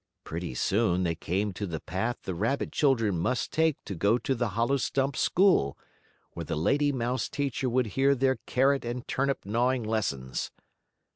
Pretty soon they came to the path the rabbit children must take to go to the hollow stump school, where the lady mouse teacher would hear their carrot and turnip gnawing lessons.